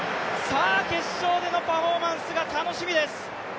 決勝でのパフォーマンスが楽しみです。